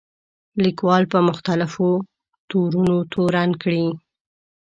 لیکوال په مختلفو تورونو تورن کړي.